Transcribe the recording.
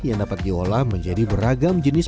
yang dapat diolah menjadi beragam jenis